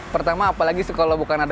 pertama apalagi sih kalau bukan ada belanja